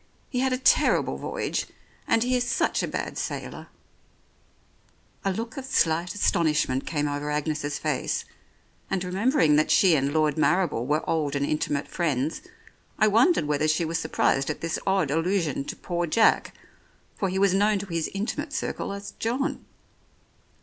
he had a terrible voyage, and he is such a bad sailor." 87 The Oriolists A look of slight astonishment came over Agnes's face, and remembering that she and Lord Marrible were old and intimate friends, I wondered whether she was surprised at this odd allusion to "poor Jack," for he was known to his intimate circle as John.